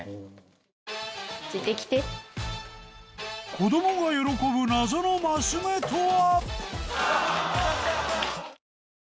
子供が喜ぶ謎のマス目とは？